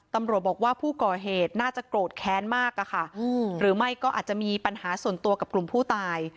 ตำรวจบอกว่าผู้ก่อเหตุน่าจะโกรธแค้นมากอะค่ะหรือไม่ก็อาจจะมีปัญหาส่วนตัวกับกลุ่มผู้ตาย